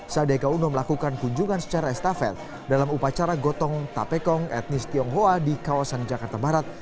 sadega uno melakukan kunjungan secara estafel dalam upacara gotong tapekong etnis tionghoa di kawasan jakarta barat